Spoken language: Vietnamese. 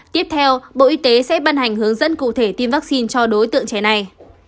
tiếp theo bộ y tế sẽ ban hành hướng dẫn cụ thể tiêm vaccine cho đối tượng trẻ này